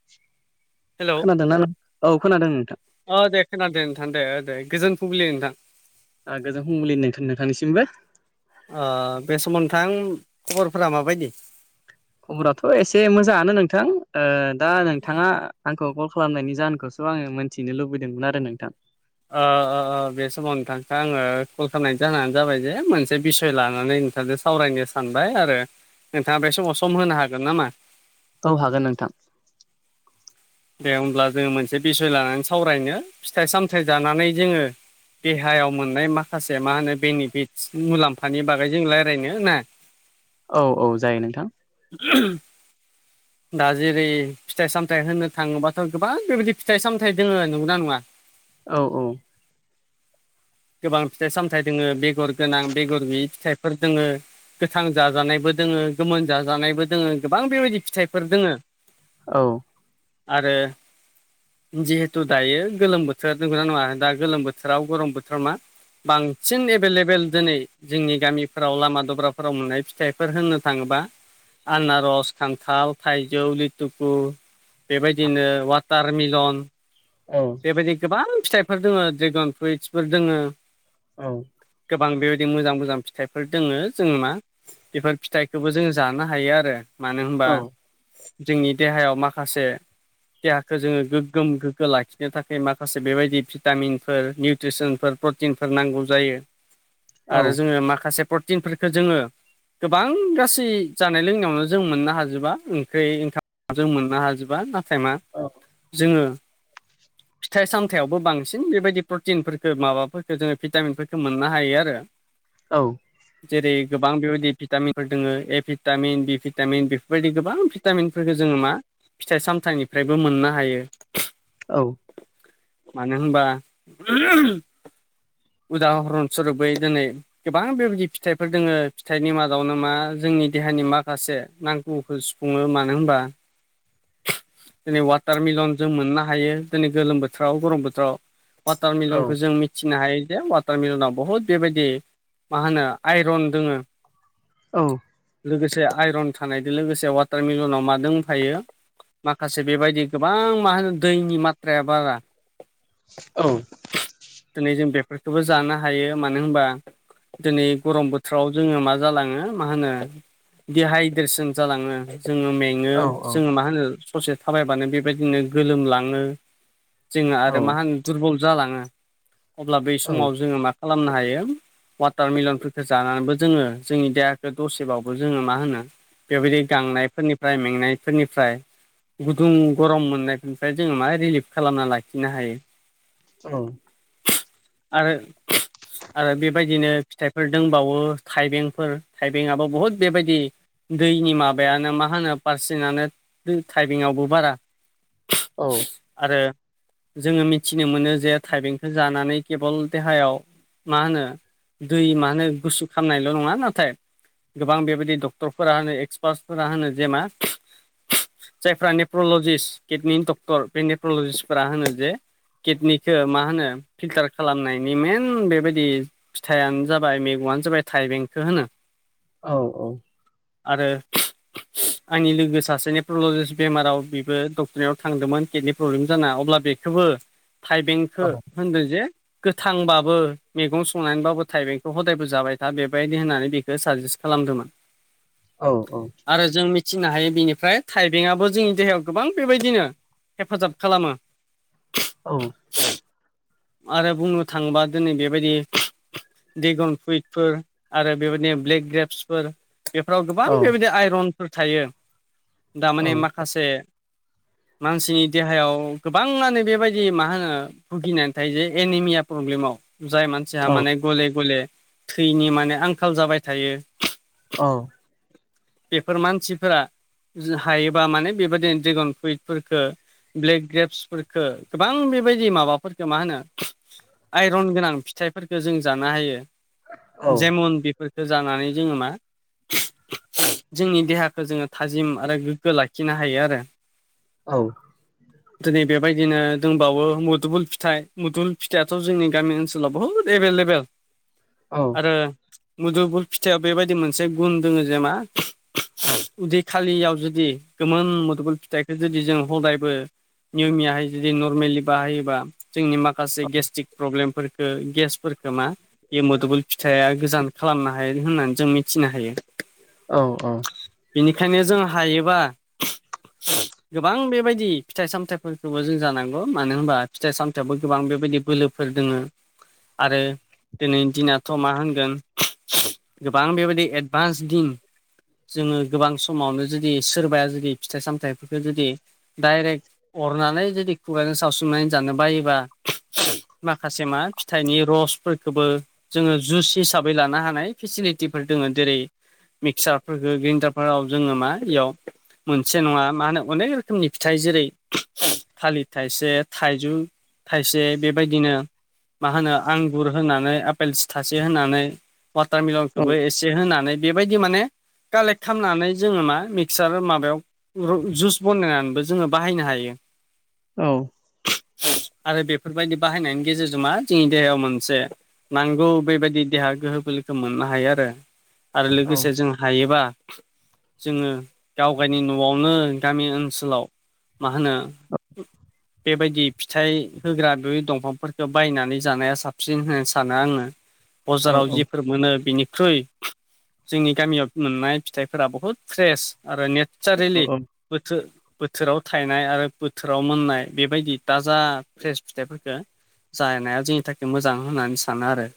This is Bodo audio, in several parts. [unintelligible] हेल'! खोनादों ना नों औ खोनादों नोंथां। अ दे खोनादों नोंथां दे दे गोजोन फुंबिलि नोंथां। ओं गोजोन फुंबिलि नोंथां नोंथांनिसिमबो। ओं बे समाव नोंथां खबरफोरा माबायदि? खबराथ' एसे मोजाङानो नोंथां ओं दा नोंथाङा आंखौ कल खालामनायनि जाहोनखौसो आङो मोनथिनो लुबैदोंमोन आरो नोंथां? ओ ओ ओ बे समाव नोंथांखौ आङो कल खालामनाय जाहानो जाबाय जे मोनसे बिसय लानानै नोंथांजों सावरायनो सानबाय आरो नोंथाङा बे समाव सम होनो हागोन नामा? औ हागोन नोंथां। दे होमब्ला जोङो मोनसे बिसय लानानै सावरायनो फिथाइ सामथाइ जानानै जोङो देहायाव मोननाय माखासे मा होनो बेनिफिटस मुलाम्फानि बागै जों रायलायनो ना? [inaudible] औ औ जायो नोंथां। दा जेरै फिथाइ सामथाइ होनो थाङोबाथ' गोबां बेबायदि फिथाइ सामथाय दङ नंगौना नङा? औ औ। गोबां फिथाइ सामथाइ दोङो बेगर गोनां बेगर गैयै फिथाइफोर दोङो। गोथां जाजानायबो दोङो गोमोन जाजानायबो दोङो गोबां बेबायदि फिथाइफोर दोङो। औ। आरो जिहेथु दायो गोलोम बोथोर नंगौना नङा दा गोलोम बोथोराव गरम बोथोराव मा बांसिन एभेलेबेल दिनै जोंनि गामिफोराव लामा दब्राफोराव मोननाय फिथाइफोर होननो थाङोबा आनार'स, खान्थाल, थाइजौ, लिथुखु बेबायदिनो वाटार मिलन औ बेबायदि गोबां फिथाइफोर दङ ड्रेगन फ्रुइटसफोर दोङो। औ। गोबां बेबायदि मोजां मोजां फिथाइफोर दोङो जों मा बेफोर फिथाइखौबो जोंङो जानो हायो आरो मानो होनबा औ जोंनि देहायाव माखासे देहाखौ जोङो गोग्गोम गोग्गो लाखि बेनि थाखाय माखासे बेबायदि भिटामिनफोर, निउट्रिसनफोर, प्रटिनफोर नांगौ जायो। औ आरो जोङो माखासे प्रटिनफोरखौ जोङो गोबां गासै जानाय लोंनायावनो जों मोननो हाजोबा ओंख्रि ओंखाम जों मोननो हाजोबा नाथाय मा औ जोङो फिथाइ सामथायावबो बांसिन बेबायदि प्रटिनफोरफोरखौ माबाफोरफोरखौ जोङो भिटामिनफोरफोरखौ मोननो हायो आरो। [inaudible] औ। जेरै गोबां बेबायदि भिटामिनफोर दङ ए भिटामिन, बि भिटामिन बेफोरबायदि गोबां भि भिटामिनफोरखौ जोङो मा फिथाइ सामथाइनिफ्रायबो मोननो हायो। औ। मानो होनबा उदाहरन सुरुपै दिनै गोबां बेबायदि फिथाइफोर दोङो फिथाइनि मादावनो मा जोंनि देहानि माखासे नांगौ नांगौखौ सुफुङो मानो होनबा दिनै वाटारमेलन जों मोननो हायो। दिनै गोलोम बोथोराव गरम बोथोराव वाटार औ मेलनखौ जों मि मिथिनो हायो जे वाटारमिलनाव बहुद बेबायदि मा होनो आइरन दोङो। औ। लोगोसे आइरन थानायजों लोगोसे वाटार मिलनाव मा दोंफायो माखासे बेबायदि गोबां मा होनो दैनि मात्राया बारा। औ दिनै जों बेफोरखौबो जानो हायो मानो होनबा दिनै गरम बोथोराव जोङो मा जालाङो मा होनो दिहाइद्रेसन जालाङो जोङो मे ङो जों मा होनो ससे थाबायबानो बेबायदिनो गोलोमलाङो। जोङो आरो मा होनो दुरबल जालाङो अब्ला बै समाव जोङो मा खालामनो हायो वाटारमेलनफोरखौ जानानैबो जोङो जोंनि देहाखौ दसेबाबो जोङो मा होनो बेबायदि गांनायफोरनिफ्राय मेंनायफोरनिफ्राय गुदुं गरम मोननायफोरनिफ्राय जोङो मा रिलिफ खालामना लाखिनो हायो औ आरो आरो बेबायदिनो फिथाइफोर दंबावो थाइबेंफोर थाइबेङाबो बुहुद बेबायदि दैनि माबायानो मा होनो पारसेन्टानो थाइबेंआवबो बारा औ आरो जोङो मिथिनो मोनो जे थाइबेंखौ जानानै केबल देहायाव मा होनो दै मानो गुसु खालामनायल' नङा नाथाय गोबां बेबायदि डक्टरफोरा होनो एक्सपार्टफोरा होनो जे मा जायफ्रा नेप्रलजिस्ट किडनि डक्टर बे नेप्रलजिस्टफोरा होनो जे किडनिखौ मा होनो फिल्टार खालामनायनि मेइन बेबायदि फिथाइआनो जाबाय मैगंआनो जाबाय थाइबेंखौ होनो औ औ आरो आंनि लोगो सासे नेप्रल'जिस्ट बेमाराव बेबो डक्टरनाव थांदोंमोन किडनि प्रब्लेम जाना अब्ला बेखौबो थाइबेंखौ होनदों जे गोथांबाबो मैगं संनानैबाबो थाइबेंखौ हदायबो जाबाय था बेबायदि होननानै बे बेखौ साजेस्ट खालामदोंमोन औ औ आरो जों मिथिनो हायो बेनिफ्राय थाइबेंआबो जोंनि देहायाव गोबां बेबायदिनो हेफाजाब खालामो औ आरो बुंनो थाङोबा दिनै बेबायदि ड्रागन फ्रुइटफोर आरो बेबायदिनो ब्लेक ग्रेपसफोर बेफोराव गोबां बेबायदि आइर'नफोर थायो थारमाने माखासे माखासे मानसिनि देहायाव गोबाङानो बेबायदि मा होनो भुगिनानै नाथाय जे एनिमिया प्रब्लेमाव जाय मानसिहा माने गले गले थैनि माने आंखाल जाबाय थायो औ बेफोर मानसिफोरा हायोबा माने बेबायदिनो ड्रेगन फ्रुइटफोरफोरखौ ब्लेक ग्रेप्सफोरफोरखौ गोबां बेबायदि माबाफोर मा होनो आइर'न गोनां फिथाइफोरखौ जों जानो हायो जेमन बेफोरखौ जानानै जोङो मा जोंनि देहाखौ जोङो थाजिम आरो गोग्गो लाखिनो हायो आरो औ दिनै बेबायदिनो दंबावो मुदुफुल फिथाइ मुदुफुल फिथाइआथ' जोंनि गामि ओनसोलाव बुहुद एभेलेबेल आरो मुदफुल फिथाइआव बेबायदि मोनसे गुन दोङो जे मा उदै खालियाव जुदि गोमोन मुदुफुल फिथाइखौ जुदि जों हदायबो नियमियाहाय जुदि नरमेलि बाहायोबा जोंनि माखासे गेस्ट्रिक प्रब्लेमफोरफोरखौ गेसफोरफोरखौ मा बे मुदुफुल फिथाइआ गोजान खालामनो हायो होननानै जों मिथिनो हायो औ औ बेनिखायनो जों हायोबा गोबां बेबायदि फिथाइ सामथायफोरखौबो जों जानांगौ मानो होनबा फिथाइ सामथायावबो गोबां बेबायदि बोलोफोर दोङो आरो दिनै दिनाथ' मा होनगोन गोबां बेबायदि एडभान्स दिन जोङो गोबां समावनो जुदि सोरबाया जुदि फिथाइ सामथाइफोरखौ जुदि डाइरेक्ट अरनानै जुदि खुगाजों सावस्रुमनानै जानो बायोबा माखासे मा फिथाइनि रसफोरखौबो जोंङो जुइस हिसाबै लानो हानाय फेसिलिटिफोर दोङो जेरै मिक्सारफोरखौ ग्रेन्दारफोराव जोंङो मा इयाव मोनसे नङा मा होनो अनेक रोखोमनि फिथाइ जेरै थालिर थाइसे थाइजौ थाइसे बेबायदिनो मा होनो आंगुर होनानै आपेल सिथासे होनानै औ वाटारमेलनखौबो एसे होनानै बेबायदि माने कालेक्ट खालामनानै जोंङो मा मिक्सार माबायाव जुस बानायनानैबो जोंङो बाहायनो हायो। औ। आरो बेफोरबायदि बाहायनायनि गेजेरजों मा जोंनि देहायाव मोनसे नांगौ बेबायदि देहा गोहो बोलोखौ मोननो हायो आरो। आरो लोगोसे औ जों हायोबा जोंङो गावगनि न'आवनो गामि ओनसोलाव मा होनो बेबायदि फिथाइ होग्रा बे दंफांफोरखौ बायनानै जानाया साबसिन होनो सानो आंङो। बजाराव औ औ जिफोर मोनो बिनिख्रुइ जोंनि गामियाव मोननाय फिथाइफोरा बुहुद फ्रेस आरो ने औ चारेलि बोथोर बोथोराव थायनाय आरो बोथोराव मोननाय बेबायदि ताजा फ्रेस फिथाइफोरखौ जानाया जोंनि थाखाय मोजां होननानै सानो आरो।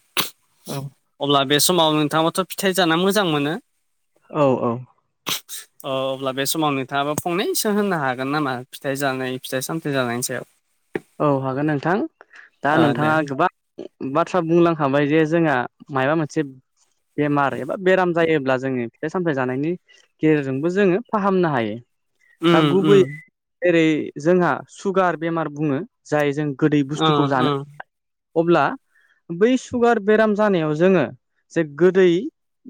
औ। अब्ला बे समाव नोंथाङाथ' फिथाइ जानो मोजां मोनो। औ औ। अ अब्ला बे समाव नोंथाङाबा फंनैसो होननो हागोन नामा फिथाइ जानाय फिथाइ साम थाइ जानायनि सायाव। औ हागोन नोंथां दा ओ दे नोंथाङा गोबां बाथ्रा बुंलांखाबाय जे जोंहा माबा मोनसे बेमार एबा बेराम जायोब्ला जोनि फिथाइ सामथायाइ जानायनि गेजेरजोंबो जोंङो फाहामनो हायो। दा उम उम गुबैयै जेरै जोंहा सुगार बेमार बुङो। जाय जों गोदै ओ बुस्थुखौ जानो ओ हाया अब्ला बै सुगार बेराम जानायाव जोंङो जे गोदै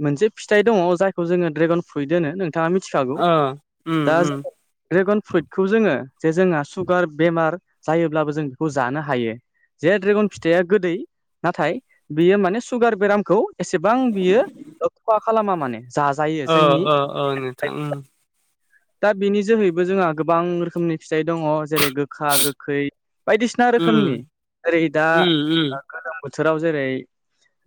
मोनसे फिथाइ दङ जायखौ जोंङो ड्रेगन फ्रुइद होनो नों नोंथाङा मिथिखागौ ओ उम दा उम जों ड्रेगन फ्रुइटखौ जोंङो जे जोंहा सुगार बेमार जायोब्लाबो जों बेखौ जानो हायो। जे ड्रेगन फिथाइआ गोदै नाथाय बियो माने सुगार बेरामखौ एसेबां बियो खहा खालामा माने। जाजायो ओ जोंनि ओ ओ नोंथां उम [unintelligible] दा बिनि जोहैबो जोंहा गोबां रोखोमनि फिथाइ दङ जेरै गोखा गोखै। बायदिसिना रोखोमनि उम जेरै दा उम गोलोम बोथोराव जेरै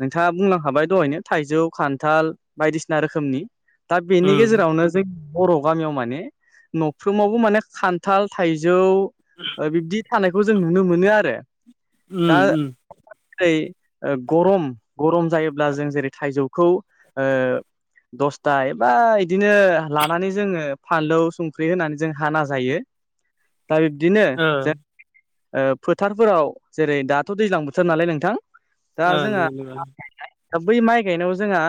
नोंथाङा बुंलांखाबाय दहायनो थाइजौ खान्थाल बायदिसिना रोखोमनि दा बेनि उम गेजेरावनो जों बर' गामियाव माने न'फ्रोमावबो माने खान्थाल थाइजौ बिब्दि थानायखौ जों नुनो मोनो आरो उम दा उम जेरै गरम गरम जायोब्ला जों जेरै थाइजौखौ ओ दस्था एबा बिदिनो लानानै जोंङो फानलौ संख्रि होनानै जों हाना जायो। दा बिदिनो ओ ओ फोथारफोराव जेरै दाथ' दैज्लां बोथोर नालाय नोंथां दा ओ जोंहा नंगौ नंगौ [unintelligible] दा बै माइ गायनायाव जोंहा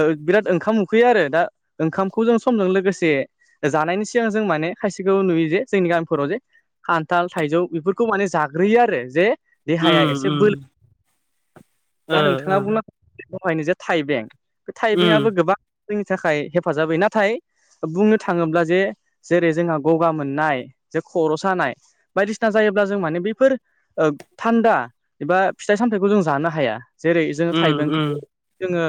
ओ बिराद ओंखाम उखैयो आरो दा ओंखामखौ जों समजों लोगोसे जानायनि सिगां जों माने खायसेखौ नुयो जे जोंनि गामिफोराव जे खान्थाल थाइजौ बेफोर खौ माने जाग्रोयो आरो जे देहाया उम एसे उम बोलो दा ओ नोंथाङा ओ बुंनांगौ दहायनो जे थाइबें बे उम थाइबेंआबो गोबां जोंनि थाखाय हेफाजाबै नाथाय बुंनो थाङोब्ला जे जेरै जोंहा गगा मोननाय जे खर' सानाय बायदिसिना जायोब्ला जों माने बैफोर ओ थान्दा एबा फिथाइ सामथाइखौ जों जानो हाया। जेरै जोङो उम उम थाइबेंखो जोङो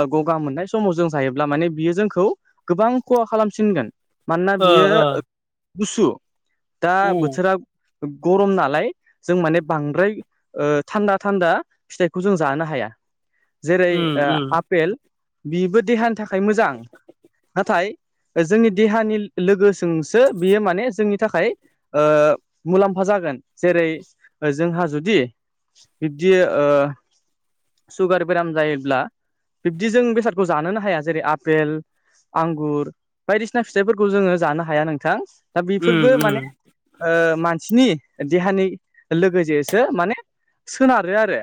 ओ गगा मोननाय समाव जों जायोब्ला माने बियो जोंखौ गोबां खहा खालामसिनगोन। मानोना ओ बियो ओ गुसु दा उ बोथोरा गरम नालाय जों माने बांद्राय ओ थान्दा थान्दा फिथाइखौ जों जानो हाया जेरै उम ओ आपेल बिबो देहानि थाखाय मोजां नाथाय जोंनि देहानि लोगोजोंसो बियो माने जोंनि थाखाय ओ मुलाम्फा जागोन जेरै जोंहा जुदि बिब्दि ओ सुगार बेराम जायोब्ला बिब्दि जों बेसादखौ जानोनो हाया जेरै आपेल आंगुर बायदिसिना फिथाइफोरखौ जोङो जानो हाया नोंथां दा बेफोरबो उम उम माने ओ मानसिनि देहानि लोगोजेसो माने सोनारो आरो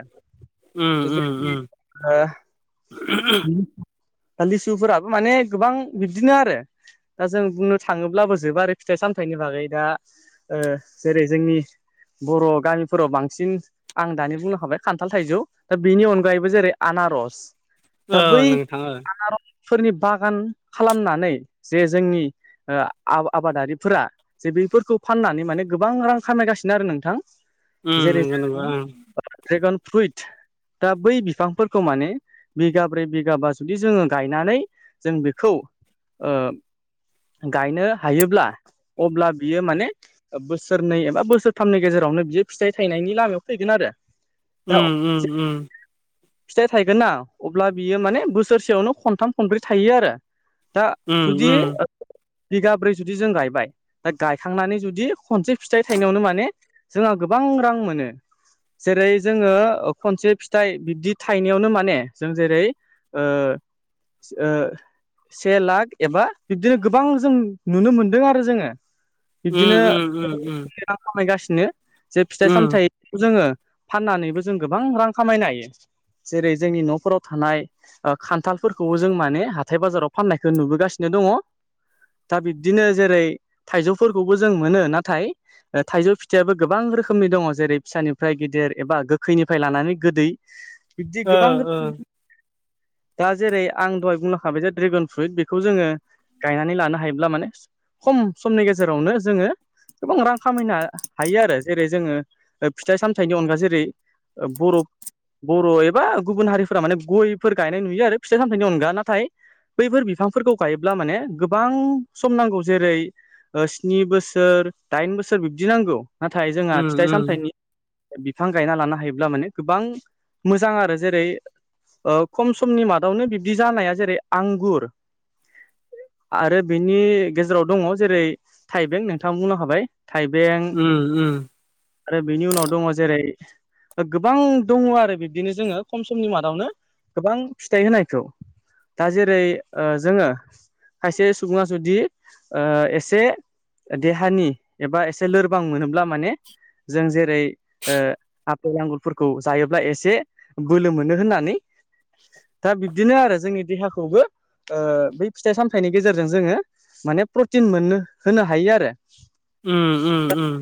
उम उम [unintelligible] ओ दा लिसुफोराबो माने गोबां बिदिनो आरो दा जों बुंनो थाङोब्लाबो जोबा आरो फिथाइ सामथाइनि बागै दा ओ जेरै जोंनि बर' गामिफोराव बांसिन आं दानि बुंलांखाबाय खान्थाल थाइजौ दा बेनि अनगायैबो जेरै आनारस दा ओ बै नोंथां ओ आनारसफोरनि बागान खालामनानै जे जोंनि ओ आ-आबादारिफोरा जे बेफोरखौ फाननानै माने गोबां रां खामायगासिनो आरो नोंथां उम जेरै नंगौ नंगौ [unintelligible] ड्रेगन फ्रुइट दा बै बिफांफोरखौ माने बिगाब्रै बिगाबा जुदि जोङो गायनानै जों बेखौ ओ गायनो हायोब्ला अब्ला बियो माने ओ बोसोरनै एबा बोसोरथामनि गेजेरावनो बियो फिथाइ थायनायनि लामायाव फैगोन आरो दा उम उम उम फिथाइ थायगोन ना अब्ला बियो माने बोसोरसेयावनो खनथाम खनब्रै थायो आरो दा उम जुदि उम बिगाब्रै जुदि जों गायबाय दा गायखांनानै जुदि खनसे फिथाइ थाइनायावनो माने जोंहा गोबां रां मोनो जेरै जोङो खनसे फिथाइ बिब्दि थाइनायावनो माने जों जेरै ओ ओ से लाख एबा बिब्दिनो गोबां जों नुनो मोनदों आरो जोङो बिब्दिनो उम उम उम रां खामायगासिनो जे फिथाइ उम सामथाइ जोङो फाननानैबो जों गोबां रां खामायनो हायो जेरै जोंनि न'फोराव थानाय ओ खान्थालफोरखौबो जों माने हाथाय बाजाराव फाननायखौ नुबोगासिनो दङ। दा बिब्दिनो जेरै थाइजौफोरखौबो जों मोनो नाथाय थाइजौ फिथाइयाबो गोबां रोखोमनि दङ जेरै फिसानिफ्राय गेदेर एबा गोखैनिफ्राय लानानै गोदै। बिबदि ओ गोबां [unintelligible] [inaudible] दा जेरै आं दहाय बुंलांखाबाय जे ड्रेगन फ्रुइट बेखौ जोङो गायनानै लानो हायोब्ला माने खम समनि गेजेरावनो जोङो गोबां रां खामायनो हायो आरो जेरै जोङो फिथाइ सामथाइनि अनगा जेरै ओ बर' बर' ए बा गुबुन हारिफोरा माने गयफोर गायनाय नुयो आरो फिथाइ सामथाइनि अनगा नाथाय बैफोर बिफांफोरखौ गायोब्ला माने गोबां सम नांगौ जेरै स्नि बोसोर दाइन बोसोर बिब्दि नांगौ। नाथाय जोंहा उम फिथाइ उम सामथाइनि बिफां गायना लानो हायोब्ला माने गोबां। मोजां आरो जेरै ओ-खम समनि मादावनो बिब्दि जानाया जेरै आंगुर। आरो बेनि गेजेराव दङ जेरै थाइबें नोंथाङा बुंनो हाबाय। थाइबें उम आरो बेनि उनाव दङ जेरै गोबां दङ आरो बि बिदिनो जोङो खम समनि मादावनो गोबां फिथाइ होनायखौ। दा जेरै ओ-जोङो। खायसे सुबुङा जुदि एसे। देहानि एबा एसे लोरबां मोनोब्ला माने। जों जेरै ओ-आफेल आंगुरफोरखौ जायोब्ला एसे बोलो मोनो होननानै दा बिब्दिनो आरो जोंनि देहाखौबो। ओ-बै फिथाइ सामथाइनि गेजेरजों जोङो माने प्रटिन मोननो होनो हायो आरो। उम उम उम।